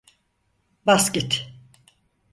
Bas git!